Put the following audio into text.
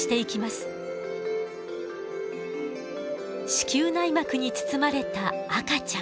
子宮内膜に包まれた赤ちゃん。